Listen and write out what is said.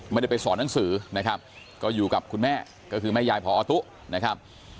ไม่ได้ไปสอนหนังสือนะครับก็อยู่กับคุณแม่ก็คือแม่ยายพอตุนะครับ